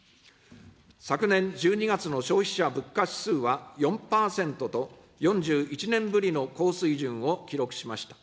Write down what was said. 昨年１２月の消費者物価指数は４％と、４１年ぶりの高水準を記録しました。